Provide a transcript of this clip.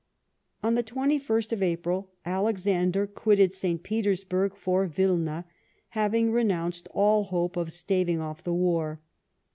On the 21st April Alexander quitted St. Petersburg for Wilna, having renounced all hope of staving off the war.